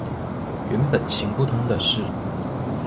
原本行不通的事